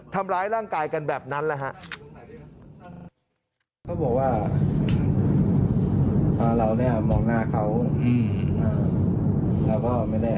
ทำร้ายร่างกายกันแบบนั้นแหละฮะ